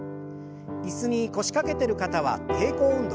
椅子に腰掛けてる方は抵抗運動。